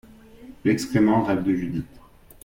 L’excrément rêve de Judith…